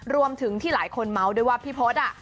รวมถึงที่หลายคนเมาด้วยว่าพี่โพชอ่ะ